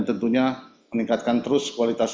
tentunya meningkatkan terus kualitas